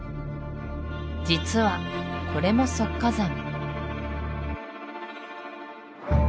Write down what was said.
実はこれも側火山